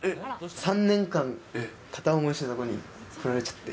３年間片思いしてた子にフラれちゃって。